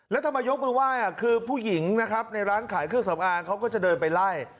แล้วทำไมยกมือไหว้คือผู้หญิงนะครับในร้านขายเครื่องสำอางเขาก็จะเดินไปไล่